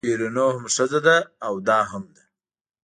شیرینو هم ښځه ده او دا هم ده.